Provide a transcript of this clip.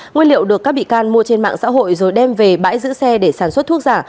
nguyên liệu được các bị can mua trên mạng xã hội rồi đem về bãi giữ xe để sản xuất thuốc giả